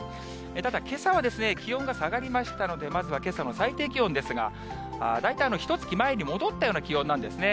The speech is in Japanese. ただ、けさは気温が下がりましたので、まずはけさの最低気温ですが、大体ひとつき前に戻ったような気温なんですね。